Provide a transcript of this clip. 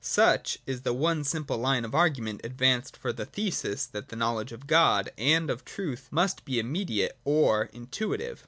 Such is the one simple Hne of argument advanced for the thesis that the knowledge of God and of truth must be immediate, or intuitive.